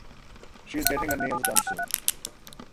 She is getting her nails done soon.